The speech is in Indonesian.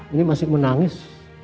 ini masih menangis